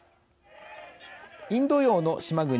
インド洋の島国